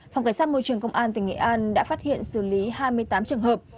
phòng cảnh sát môi trường công an tỉnh nghệ an đã phát hiện xử lý hai mươi tám trường hợp